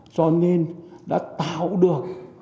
cho nên đã tạo được